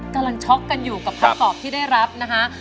กำลังช็อกกันอยู่กับคำตอบที่ได้รับนะฮะ